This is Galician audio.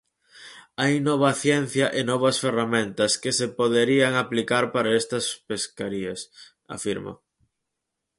"Hai nova ciencia e novas ferramentas que se poderían aplicar para estas pescarías", afirma.